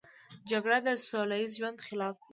جګړه د سوله ییز ژوند خلاف ده